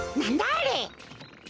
あれ。